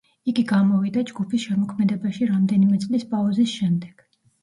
იგი გამოვიდა ჯგუფის შემოქმედებაში რამდენიმე წლის პაუზის შემდეგ.